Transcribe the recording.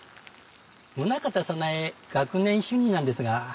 宗方早苗学年主任なんですが。